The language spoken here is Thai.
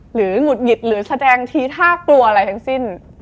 หรือหงุดหงิดหรือแสดงแชร่งชี้ท่ากลัวอะไรทั้งสิ้น